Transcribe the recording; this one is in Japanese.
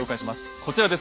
こちらです。